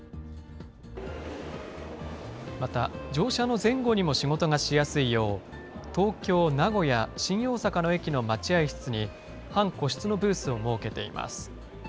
また、乗車の前後にも仕事がしやすいよう、東京、名古屋、新大阪の駅の待合室に、半個室のブースを設けています。